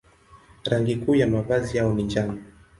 Rangi kuu ya mavazi yao ni njano.